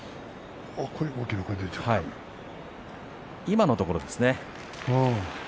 今のところですね。